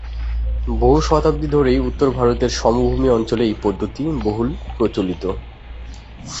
বহু শতাব্দী ধরেই উত্তর ভারতের সমভূমি অঞ্চলে এই পদ্ধতি বহুল প্রচলিত।